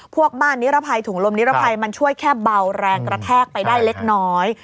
ม่านนิรภัยถุงลมนิรภัยมันช่วยแค่เบาแรงกระแทกไปได้เล็กน้อย